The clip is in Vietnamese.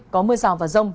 có mưa rào và rông